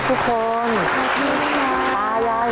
ตอนพื้นทำใหม่